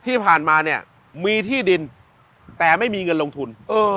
ที่ผ่านมาเนี่ยมีที่ดินแต่ไม่มีเงินลงทุน